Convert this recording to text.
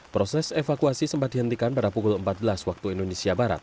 proses evakuasi sempat dihentikan pada pukul empat belas waktu indonesia barat